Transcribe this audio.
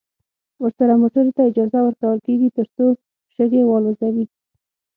وروسته موټرو ته اجازه ورکول کیږي ترڅو شګې والوزوي